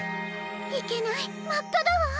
いけないまっかだわ！